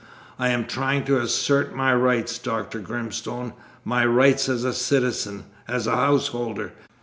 I am trying to assert my rights, Dr. Grimstone my rights as a citizen, as a householder!